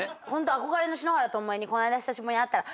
憧れの篠原ともえにこの間久しぶりに会ったら。